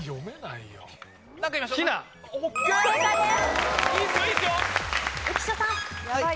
正解です。